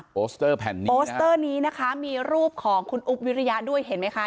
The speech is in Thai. โปสเตอร์แผ่นนี้นะคะมีรูปของคุณอุ๊บวิริยะด้วยเห็นมั้ยค่ะ